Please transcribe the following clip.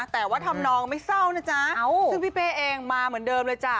แต่ว่าทำนองไม่เศร้านะจ๊ะซึ่งพี่เป้เองมาเหมือนเดิมเลยจ้ะ